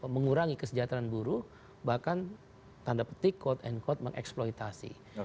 mengurangi kesejahteraan buruh bahkan tanda petik quote unquote mengeksploitasi